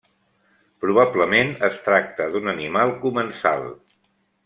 Probablement es tracta d'un animal comensal.